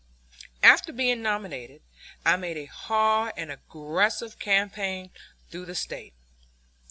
After being nominated, I made a hard and aggressive campaign through the State.